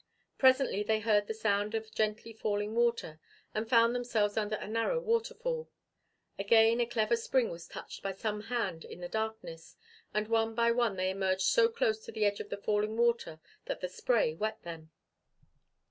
Presently they heard the sound of gently falling water, and found themselves under a narrow waterfall. Again a clever spring was touched by some hand in the darkness, and one by one they emerged so close to the edge of the falling water that the spray wet them.